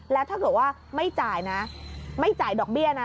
แล้วถ้าเกิดว่าไม่จ่ายนะไม่จ่ายดอกเบี้ยนะ